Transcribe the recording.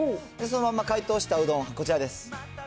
そのまま解凍したうどん、こちらです。